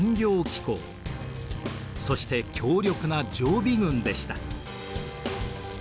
そして強力な常備軍でした。